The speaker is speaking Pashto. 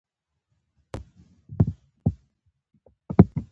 یوازې پنځه تنه وژل سوي.